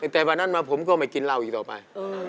แต่วันนั้นมาผมก็ไม่กินเหล้าอีกต่อไป